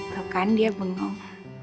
tuh kan dia bengong